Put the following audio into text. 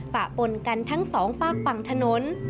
ปะปนกันทั้งสองฝากฝั่งถนน